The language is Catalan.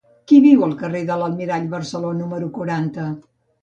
Qui viu al carrer de l'Almirall Barceló número quaranta?